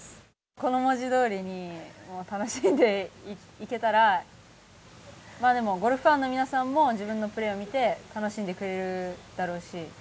この文字どおりに、もう楽しんでいけたら、まあでも、ゴルフファンの皆さんも、自分のプレーを見て楽しんでくれるだろうし。